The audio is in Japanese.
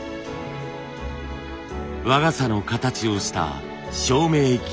和傘の形をした照明器具。